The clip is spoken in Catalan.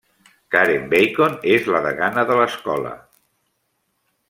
Karen Bacon és la degana de l'escola.